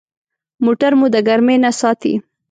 موټر مو د ګرمي نه ساتي.